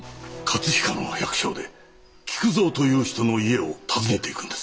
葛飾の百姓で喜久造という人の家を訪ねていくんです。